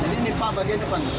ini nipah bagian depan